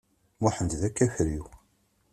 Muḥend d akafriw.